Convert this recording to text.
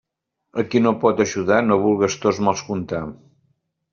A qui no pot ajudar, no vulgues tos mals contar.